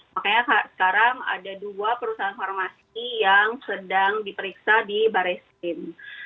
makanya sekarang ada dua perusahaan farmasi yang sedang diperiksa di barreskrim